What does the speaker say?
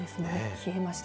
冷えました。